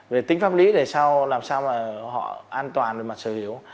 về tính pháp lý để làm sao họ an toàn về mặt sở hữu